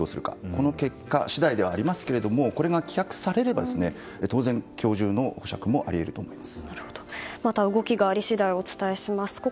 この結果次第ですがこれが通れば当然、今日中の保釈もあり得ると思います。